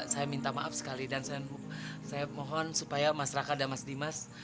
saya minta maaf sekali dan saya mohon supaya mas raka dan mas dimas